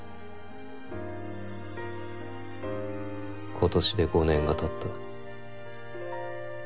今年で５年が経った。